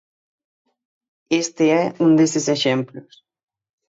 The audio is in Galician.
Este é un deses exemplos.